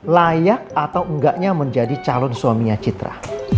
layak atau enggaknya menjadi calon suaminya citra